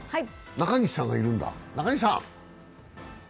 中西さんがいるんだ、中西さん。